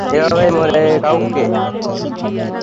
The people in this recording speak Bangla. এভাবে মারে কাউকে?